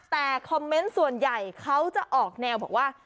แต่คอมเมนต์ส่วนใหญ่เขาจะออกแนวบอกว่า